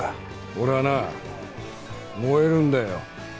俺はな燃えるんだよ。